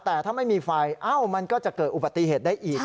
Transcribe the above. แต่ถ้าไม่มีไฟมันก็จะเกิดอุบัติเหตุได้อีก